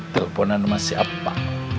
teleponan masih apa